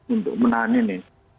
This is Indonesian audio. untuk menahan ini